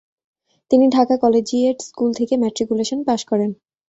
তিনি Dhaka collegiate school থেকে matriculation pass করেন ।